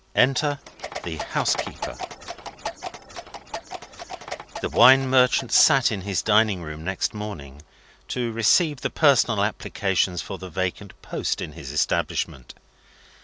ENTER THE HOUSEKEEPER The wine merchant sat in his dining room next morning, to receive the personal applicants for the vacant post in his establishment.